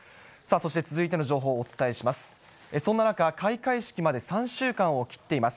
そして続いての情報をお伝えします。